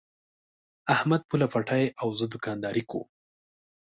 احمد پوله پټی او زه دوکانداري کوم.